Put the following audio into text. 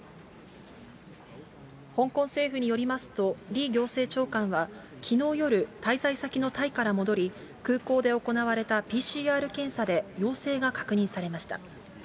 香港政府によりますと、李行政長官はきのう夜、滞在先のタイから戻り、空港で行われたＰＣＲ検査で陽性が確認されました。